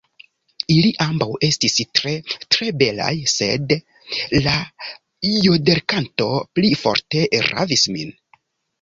Ili ambaŭ estis tre, tre belaj, sed la jodelkanto pli forte ravis min.